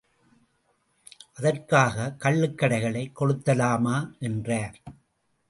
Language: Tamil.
அதற்காகக் கள்ளுக்கடைகளைக் கொளுத்தலாமா? என்றார்.